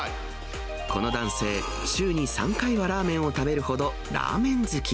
この男性、週に３回はラーメンを食べるほどラーメン好き。